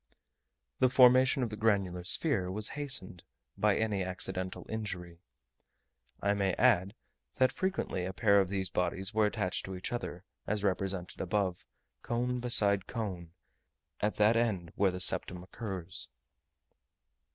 The formation of the granular sphere was hastened by any accidental injury. I may add, that frequently a pair of these bodies were attached to each other, as represented above, cone beside cone, at that end where the septum occurs.